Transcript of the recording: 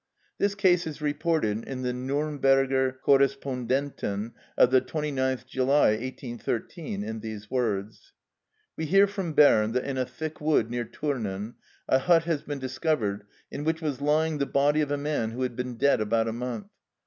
This case is reported in the "Nürnberger Correspondenten" of the 29th July 1813, in these words:—"We hear from Bern that in a thick wood near Thurnen a hut has been discovered in which was lying the body of a man who had been dead about a month.